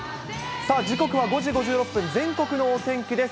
さあ、時刻は５時５６分、全国のお天気です。